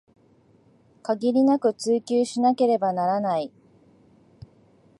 限りなく追求しなければならない